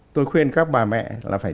tôi khuyên các bà mẹ là phải